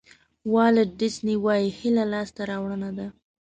والټ ډیسني وایي هیله لاسته راوړنه ده.